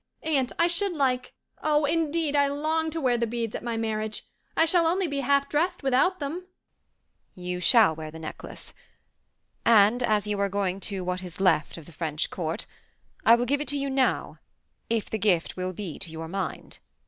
"Aunt, I should like oh, indeed I long to wear the beads at my marriage. I shall only be half dressed without them." "You shall wear the necklace. And as you are going to what is left of the French Court, I will give it to you now, if the gift will be to your mind."